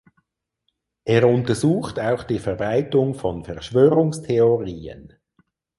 Er untersucht auch die Verbreitung von Verschwörungstheorien.